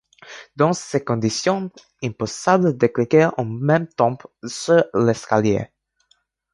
Dans ses conditions, impossible de cliquer en même temps sur l'escalier.